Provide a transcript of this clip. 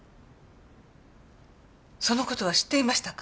その事は知っていましたか？